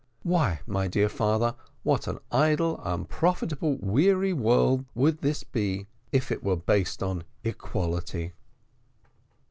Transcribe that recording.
Why, my dear father, what an idle, unprofitable, weary world would this be, if it were based on equality!"